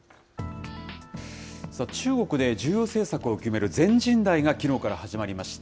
さあ、中国で重要政策を決める全人代がきのうから始まりました。